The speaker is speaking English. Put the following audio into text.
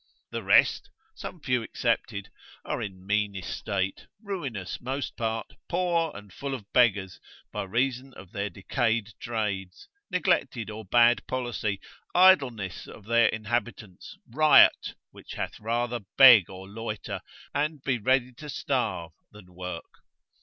The rest (some few excepted) are in mean estate, ruinous most part, poor, and full of beggars, by reason of their decayed trades, neglected or bad policy, idleness of their inhabitants, riot, which had rather beg or loiter, and be ready to starve, than work.